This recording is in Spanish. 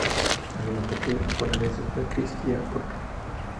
Algunas capillas disponen de sacristía propia.